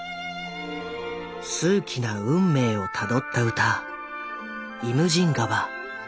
数奇な運命をたどった歌「イムジン河」。